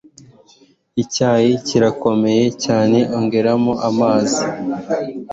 Icyayi kirakomeye cyane. Ongeramo amazi.